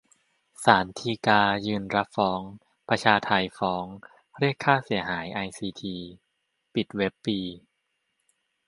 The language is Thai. ศาลฎีกายืนรับฟ้อง 'ประชาไท' ฟ้องเรียกค่าเสียหายไอซีที ปิดเว็บปี